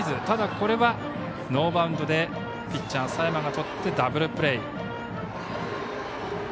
ただこれはノーバウンドでピッチャー佐山がとってダブルプレー。